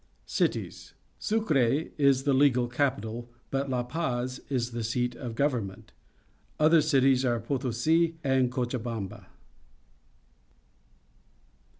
Cities. — Sucre is the legal capital, but La Paz is the seat of government. Other cities are Potosi and Cochabamba.